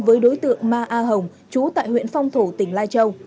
với đối tượng ma a hồng trú tại huyện phong thổ tỉnh lai châu